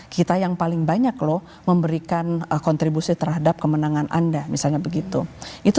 kita yang paling banyak loh memberikan kontribusi terhadap kemenangan anda misalnya begitu itu